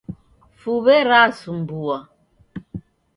Fuwe rasumbua.